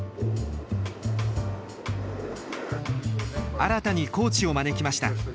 新たにコーチを招きました。